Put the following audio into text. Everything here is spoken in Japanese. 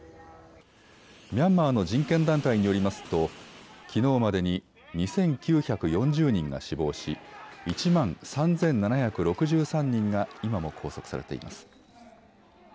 ミャンマーの人権団体によりますと、きのうまでに２９４０人が死亡し１万３７６３人が今も拘束されています。